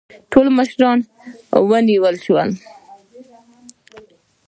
ټول مشران ونیول شول.